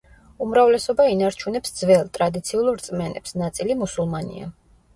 უმრავლესობა ინარჩუნებს ძველ, ტრადიციულ რწმენებს, ნაწილი მუსულმანია.